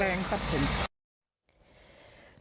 เห็นเสาไฟล้มมุมระดีมากเลย